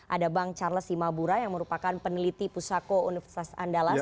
ada bang charles simabura yang merupakan peneliti pusako universitasi